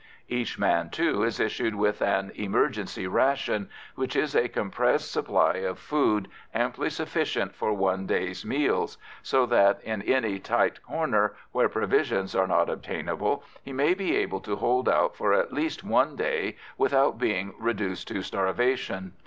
Each man, too, is issued with an "emergency ration," which is a compressed supply of food amply sufficient for one day's meals, so that in any tight corner, where provisions are not obtainable, he may be able to hold out for at least one day without being reduced to starvation.